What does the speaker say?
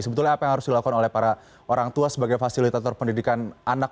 sebetulnya apa yang harus dilakukan oleh para orang tua sebagai fasilitator pendidikan anak